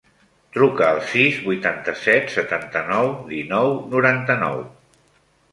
Truca al sis, vuitanta-set, setanta-nou, dinou, noranta-nou.